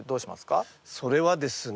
それはですね